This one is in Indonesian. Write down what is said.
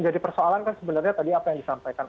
jadi persoalan kan sebenarnya tadi apa yang disampaikan